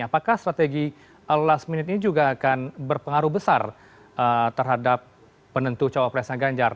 apakah strategi last minute ini juga akan berpengaruh besar terhadap penentu cawapresnya ganjar